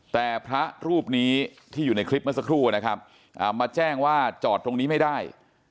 แต่พระรูปนี้ที่อยู่ในคลิปเมื่อสักครู่นะครับมาแจ้งว่าจอดตรงนี้ไม่ได้